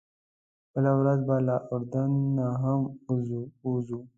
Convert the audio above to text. بله ورځ به له اردن نه هم ووځو.